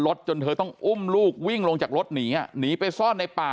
จนเธอต้องอุ้มลูกวิ่งลงจากรถหนีหนีไปซ่อนในป่า